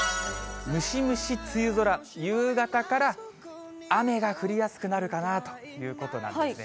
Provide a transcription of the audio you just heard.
ムシムシ梅雨空、夕方から雨が降りやすくなるかなということなんですね。